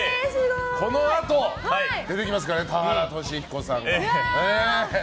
このあと出てきますからね田原俊彦さんが。